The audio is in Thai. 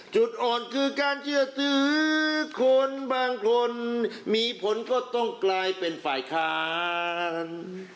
จุดอ่อนคือการเชื่อถือคนบางคนมีผลก็ต้องกลายเป็นฝ่ายค้าน